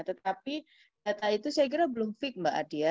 tetapi data itu saya kira belum fit mbak adia